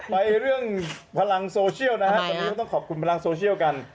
แต่เราต้องขอบคุณพลังโซเชียลเนี่ย